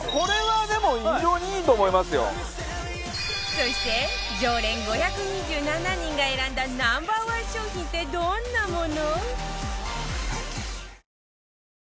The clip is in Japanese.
そして常連５２７人が選んだ Ｎｏ．１ 商品ってどんなもの？